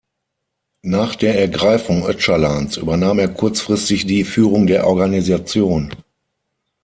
Nach der Ergreifung Öcalans übernahm er kurzfristig die Führung der Organisation.